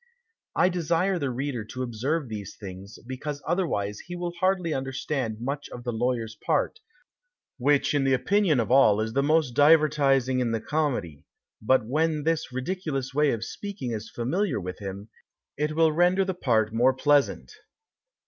I desire the reader to observe these things, because otherwise he will hardly understand much of the lawyer's part, which in the opinion of all is the most divertising in the comedy; but when this ridiculous way of speaking is familiar with him, it will render the part more pleasant."